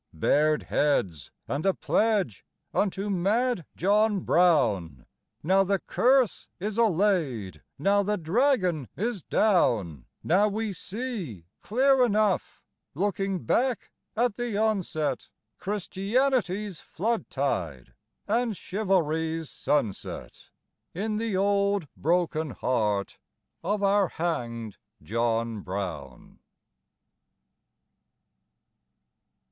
Bared heads and a pledge unto mad John Brown! Now the curse is allayed, now the dragon is down, Now we see, clear enough, looking back at the onset, Christianity's flood tide and Chivalry's sunset In the old broken heart of our hanged John Brown!